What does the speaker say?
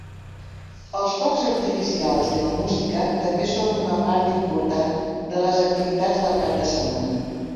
Els focs artificials i la música també són una part important de les activitats del cap de setmana.